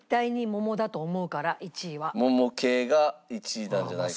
桃系が１位なんじゃないかと。